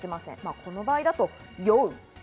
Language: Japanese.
この場合だと「酔う」。